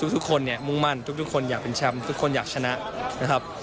ทุกคนเนี่ยมุ่งมั่นทุกคนอยากเป็นแชมป์ทุกคนอยากชนะนะครับ